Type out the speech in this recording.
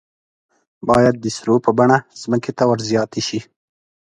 باید د سرو په بڼه ځمکې ته ور زیاتې شي.